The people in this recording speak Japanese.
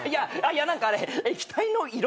いや何かあれ液体の色が。